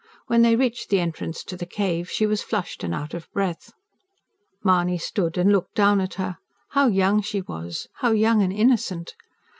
When they reached the entrance to the cave, she was flushed and out of breath. Mahony stood and looked down at her. How young she was ... how young and innocent!